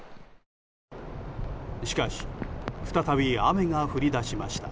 しかし再び雨が降り出しました。